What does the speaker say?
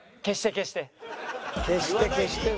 「消して消して」だ。